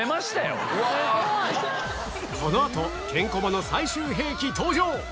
この後ケンコバの最終兵器登場！